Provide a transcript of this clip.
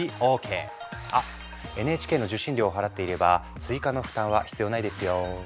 あＮＨＫの受信料を払っていれば追加の負担は必要ないですよ。